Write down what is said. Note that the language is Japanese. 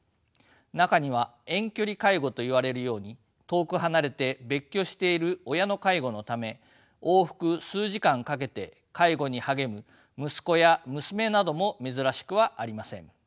中には遠距離介護といわれるように遠く離れて別居している親の介護のため往復数時間かけて介護に励む息子や娘なども珍しくはありません。